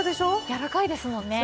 やわらかいですもんね。